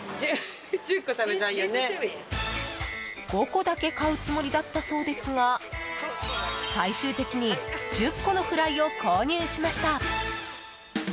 ５個だけ買うつもりだったそうですが最終的に１０個のフライを購入しました。